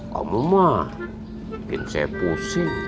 kamu mah bikin saya pusing